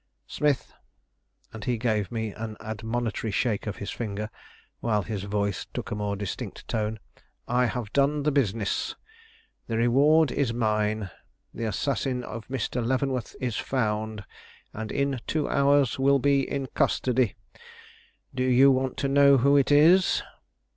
Smith," and he gave me an admonitory shake of his finger, while his voice took a more distinct tone, "I have done the business; the reward is mine; the assassin of Mr. Leavenworth is found, and in two hours will be in custody. Do you want to know who it is?"